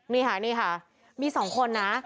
นี่ค่ะนี่ค่ะมี๒คนนะ